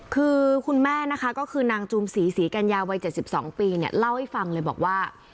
คือคุณแม่นะคะก็คือนางจูมศรีศรีกัญญาวัย๗๒ปีเนี่ยเล่าให้ฟังเลยบอกว่า